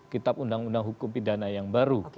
kitab undang undang hukum pidana yang baru